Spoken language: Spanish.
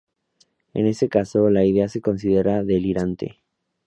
En ese caso, la idea se considera delirante.